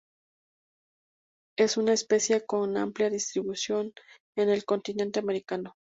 Es una especie con amplia distribución en el continente americano.